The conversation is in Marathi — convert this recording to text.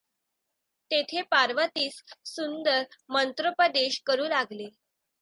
तेथे पार्वतीस सुंदर मंत्रोपदेश करू लागले.